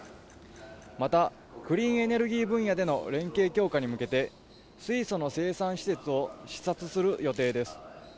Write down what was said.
またクリーンエネルギー分野での連携強化に向けて水素の生産施設を視察する予定です。